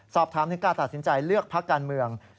สอบถามถึงการตัดสินใจเลือกพักการเมือง